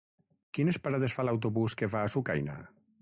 Quines parades fa l'autobús que va a Sucaina?